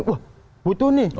wah butuh nih